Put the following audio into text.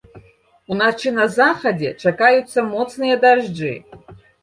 Уначы на захадзе чакаюцца моцныя дажджы.